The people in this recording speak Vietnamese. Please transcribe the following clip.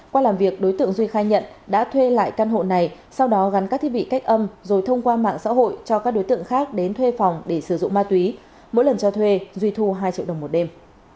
qua làm việc đối tượng duy khai nhận đã thuê lại căn hộ này sau đó gắn các thiết bị cách âm rồi thông qua mạng xã hội cho các đối tượng khác đến thuê phòng để sử dụng ma túy mỗi lần cho thuê duy thu hai triệu đồng một đêm